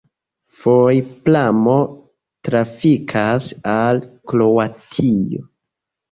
Foje pramo trafikas al Kroatio.